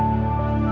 aku ingin mencobanya